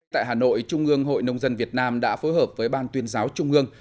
tại hà nội trung ương hội nông dân việt nam đã phối hợp với ban tuyên giáo trung ương